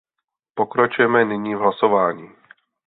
Pokračujeme nyní v hlasování.